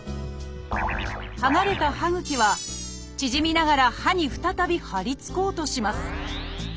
剥がれた歯ぐきは縮みながら歯に再びはりつこうとします。